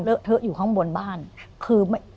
เทอะอยู่ข้างบนบ้านคือ